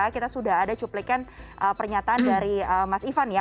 kita sudah ada cuplikan pernyataan dari mas ivan ya